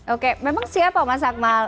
oke memang siapa mas akmal